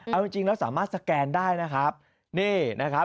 เอาจริงแล้วสามารถสแกนได้นะครับนี่นะครับ